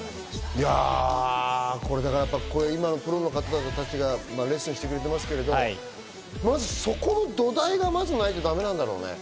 いや、これだから、プロの方たちがレッスンしてくれてますけど、まず、そこの土台がないとダメなんだろうね。